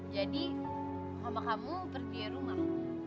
jadi mama kamu percaya rumah